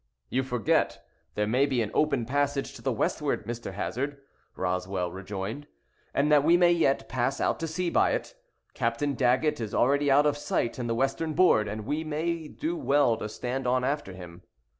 "You forget there may be an open passage to the westward, Mr. Hazard," Roswell rejoined, "and that we may yet pass out to sea by it. Captain Daggett is already out of sight in the western board, and we may do well to stand on after him."